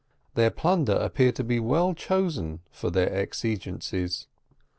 Their plunder appeared to be well chosen for their exigencies.